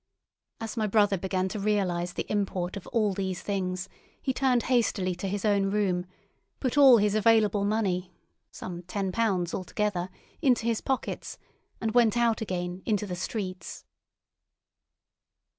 As my brother began to realise the import of all these things, he turned hastily to his own room, put all his available money—some ten pounds altogether—into his pockets, and went out again into the streets.